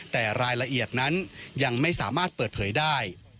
แต่รายละเอียดนั้นยังไม่สามารถเปิดเผยได้